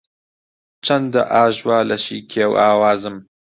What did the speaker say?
چەندە ئاژوا لەشی کێو ئاوازم